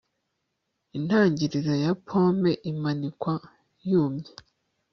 Intangiriro ya pome imanikwa yumye